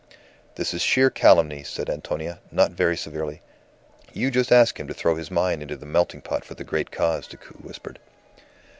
"This is sheer calumny," said Antonia, not very severely. "You just ask him to throw his mine into the melting pot for the great cause," Decoud whispered.